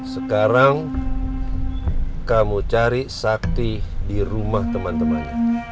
sekarang kamu cari sakti di rumah teman teman